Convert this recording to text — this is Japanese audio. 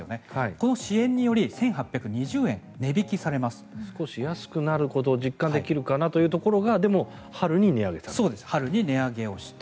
この支援により１８２０円少し安くなることを実感できるかなというところがでも、春に値上げされる。